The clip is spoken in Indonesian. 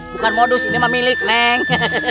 bukan modus ini emang milik neng